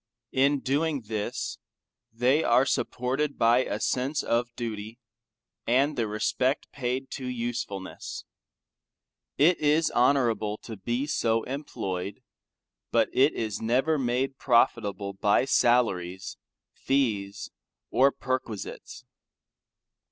In doing this, they are supported by a sense of duty, and the respect paid to usefulness. It is honorable to be so employed, but it was [FN9] never made profitable by salaries, fees, or perquisites.